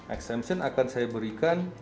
exemption akan saya berikan